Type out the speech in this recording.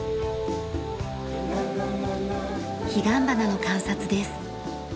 ヒガンバナの観察です。